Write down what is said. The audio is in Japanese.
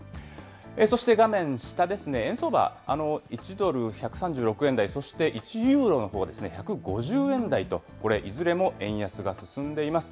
そして画面下ですね、円相場、１ドル１３６円台、そして１ユーロのほうは１５０円台と、これ、いずれも円安が進んでいます。